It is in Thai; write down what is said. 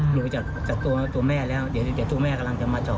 หนูจากตัวแม่แล้วเดี๋ยวตัวแม่กำลังจะมาจอด